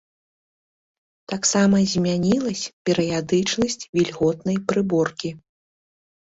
Таксама змянілася перыядычнасць вільготнай прыборкі.